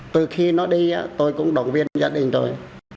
từ khi nó đi tôi cũng động viên gia đình rồi